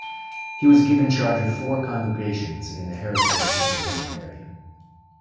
He was given charge of four congregations in the Harrisburg, Pennsylvania area.